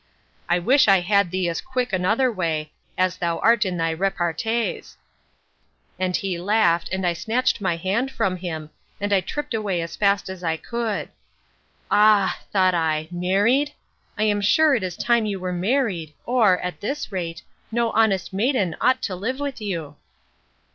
I wish I had thee as quick another way, as thou art in thy repartees—And he laughed, and I snatched my hand from him, and I tripped away as fast as I could. Ah! thought I, married? I am sure it is time you were married, or, at this rate, no honest maiden ought to live with you.